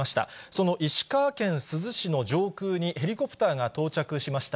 その石川県珠洲市の上空にヘリコプターが到着しました。